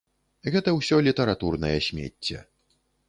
Гэта ўсё літаратурнае смецце.